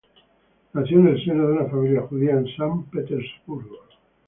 Nació en el seno de una familia judía en San Petersburgo.